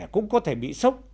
cũng có thể bị sốc